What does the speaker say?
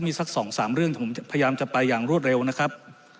มีสัก๒๓เรื่องผมพยายามจะไปอย่างรวดเร็วนะครับ